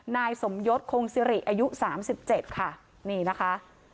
นายสมยศคงสิริอายุ๓๗ค่ะนี่นะคะ